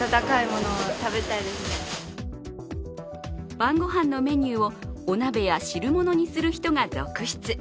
晩ごはんのメニューをお鍋や汁物にする人が続出。